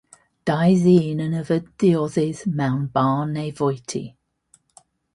Dau ddyn yn yfed diodydd mewn bar neu fwyty.